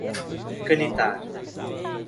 Canitar